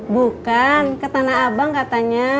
bukan ke tanah abang katanya